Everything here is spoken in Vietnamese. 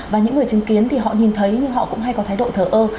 và những người chứng kiến thì họ nhìn thấy nhưng họ cũng hay có thái độ thờ ơ